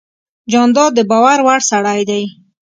جانداد د باور وړ سړی دی.